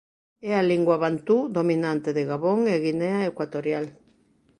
É a lingua bantú dominante de Gabón e Guinea Ecuatorial.